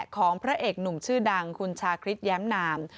ของพระเอกหนุ่มชื่อดังคุณชาคริสแย้มนาม